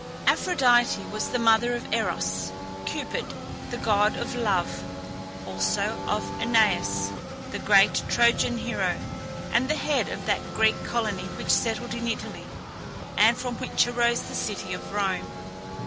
Aphrodite was the mother of Eros (Cupid), the god of Love, also of Æneas, the great Trojan hero and the head of that Greek colony which settled in Italy, and from which arose the city of Rome.